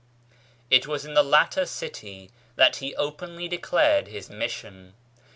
It was in the latter city that he openly declared his mission.